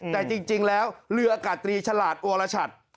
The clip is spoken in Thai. แต่จริงแล้วเรืออากาศตรีฉลาดโอรชัด